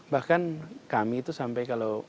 bahkan kami itu sampai kalau